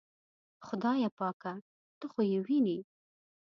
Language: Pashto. خدایه پاکه ته خو یې وینې.